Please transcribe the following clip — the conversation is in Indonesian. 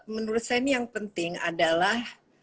menurut saya ini yang penting adalah